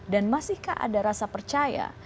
dan masihkah ada rasa percaya